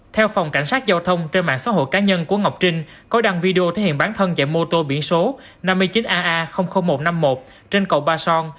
theo phòng cảnh sát giao thông trên mạng xã hội cá nhân của ngọc trinh có đăng video thể hiện bản thân chạy mô tô biển số năm mươi chín aa một trăm năm mươi một trên cầu ba son